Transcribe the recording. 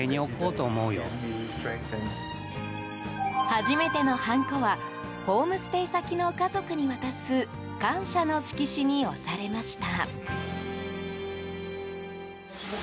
初めてのハンコはホームステイ先の家族に渡す感謝の色紙に押されました。